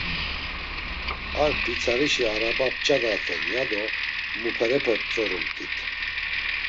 Ar pitsari arabana p̌ç̌adaten, ya do muperepe mtzorumt̆it.